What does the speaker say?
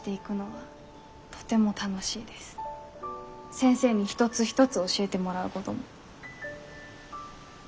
先生に一つ一つ教えてもらうごども。